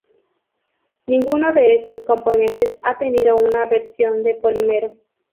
Ninguno de estos componentes ha tenido una versión de polímero.